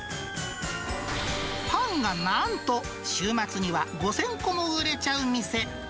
パンがなんと、週末には５０００個も売れちゃう店。